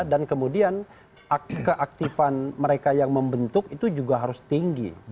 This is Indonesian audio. dan kemudian keaktifan mereka yang membentuk itu juga harus tinggi